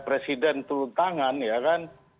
presiden turun tangan ya kan